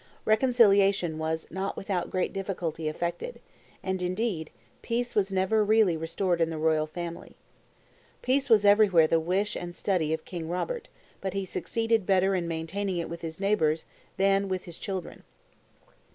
Reconciliation was not without great difficulty effected; and, indeed, peace was never really restored in the royal family. Peace was everywhere the wish and study of King Robert; but he succeeded better in maintaining it with his neighbors than with his children.